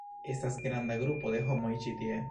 Estas granda grupo de homoj ĉi tie!